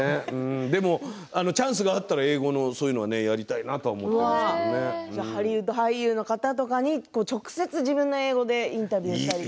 でもチャンスがあったら英語のそういうのやりたいなとハリウッド俳優の方とかに自分の英語で直接インタビューしたりとか。